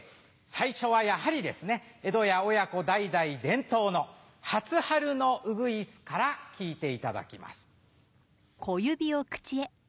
最初はやはりですね江戸家親子代々伝統の初春のウグイスから聴いていただきます。